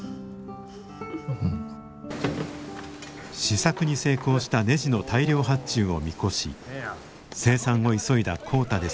試作に成功したねじの大量発注を見越し生産を急いだ浩太ですが。